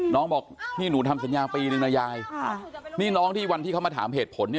น้องบอกนี่หนูทำสัญญาปีนึงนะยายนี่น้องที่วันที่เขามาถามเหตุผลเนี่ย